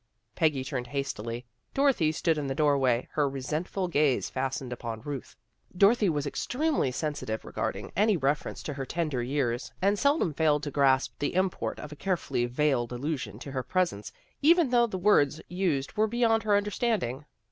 Peggy turned hastily. Dorothy stood in the doorway, her resentful gaze fastened upon Ruth. Dorothy was extremely sensitive re garding any reference to her tender years, and seldom failed to grasp the import of a carefully veiled allusion to her presence, even though the words used were beyond her understanding.